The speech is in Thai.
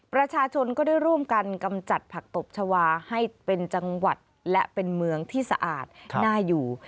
ประชาชนก็ได้ร่วมกันกำจัดผักตบชาวาให้เป็นจังหวัดและเป็นเมืองที่สะอาดน่าอยู่